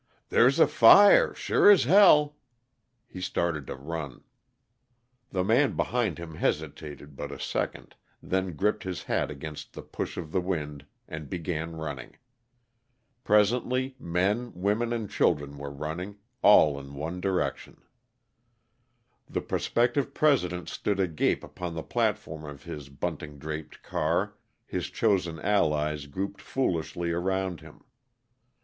"There's a fire, sure as hell!" He started to run. The man behind him hesitated but a second, then gripped his hat against the push of the wind, and began running. Presently men, women, and children were running, all in one direction. The prospective President stood agape upon the platform of his bunting draped car, his chosen allies grouped foolishly around him.